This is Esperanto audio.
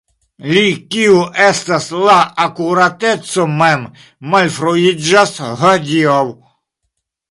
Li, kiu estas la akurateco mem, malfruiĝas hodiaŭ.